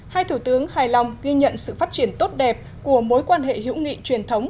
hai thủ tướng hài lòng ghi nhận sự phát triển tốt đẹp của mối quan hệ hữu nghị truyền thống